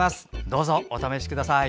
どうぞお試しください。